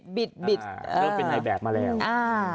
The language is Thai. เริ่มเป็นให้แบบมาแล้ว